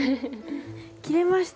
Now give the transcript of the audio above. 切れました。